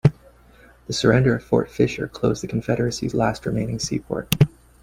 The surrender of Fort Fisher closed the Confederacy's last remaining seaport.